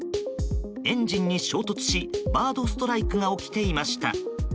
エンジンに衝突しバードストライクが起きていました。